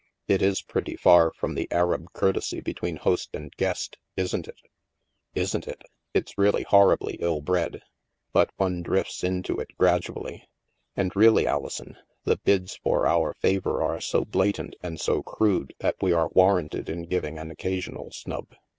" It is pretty far from the Arab courtesy between host and guest, isn't it?" " Isn't it ? It's really horribly ill bred. But one drifts into it gradually. And really, Alison, the bids for our favor are so blatant and so crude that we are warranted in giving an occasional snub.